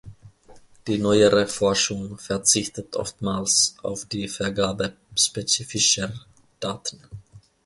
Die neuere Forschung verzichtet oftmals auf die Vergabe spezifischer Daten.